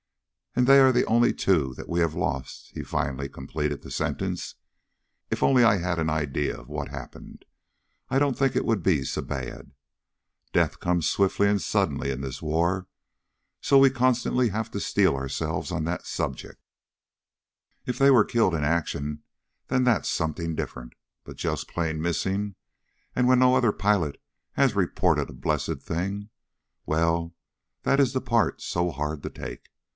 "And they are the only two that we have lost," he finally completed the sentence. "If only I had an idea of what happened, I don't think it would be so bad. Death comes swiftly and suddenly in this war, so we constantly have to steel ourselves on that subject. If they were killed in action, then that's something different. But just plain missing and when no other pilot has reported a blessed thing. Well, that is the part so hard to take.